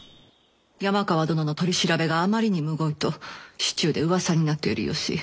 山川殿の取り調べがあまりにむごいと市中でうわさになっている由。